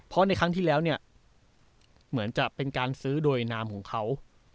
เพราะในครั้งที่แล้วเนี่ยเหมือนจะเป็นการซื้อโดยนามของเขา